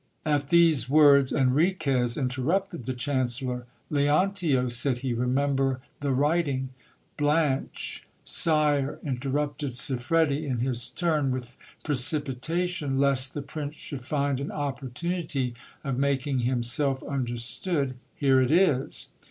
At these words Enriquez interrupted the chancellor. Leontio, said he, remember the writing ; Blanche .... Sire, interrupted Siffredi in his turn with precipitation, lest the prince should find an opportunity of making himself understood, here it is.